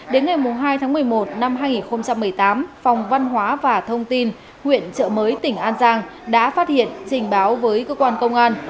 đến ngày hai tháng một mươi một năm hai nghìn một mươi tám phòng văn hóa và thông tin huyện trợ mới tỉnh an giang đã phát hiện trình báo với cơ quan công an